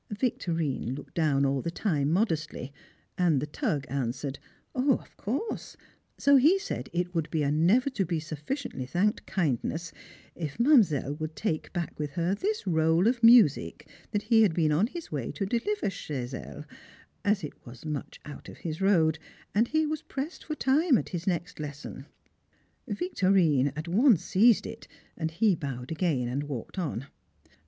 Victorine looked down all the time modestly, and "the Tug" answered: Of course; so he said it would be a never to be sufficiently thanked kindness, if Mademoiselle would take back with her this roll of music he had been on his way to deliver chez elle, as it was much out of his road, and he was pressed for time at his next lesson. Victorine at once seized it, and he bowed again and walked on.